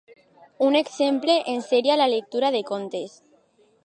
Un exemple en seria la lectura de contes.